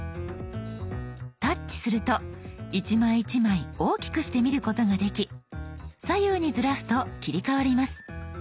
タッチすると一枚一枚大きくして見ることができ左右にずらすと切り替わります。